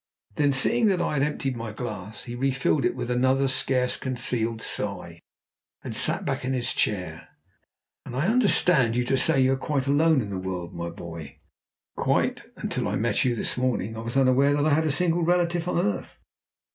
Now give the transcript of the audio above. Then seeing that I had emptied my glass, he refilled it with another scarce concealed sigh, and sat back in his chair. "And I understand you to say you are quite alone in the world, my boy?" "Quite! Until I met you this morning I was unaware that I had a single relative on earth.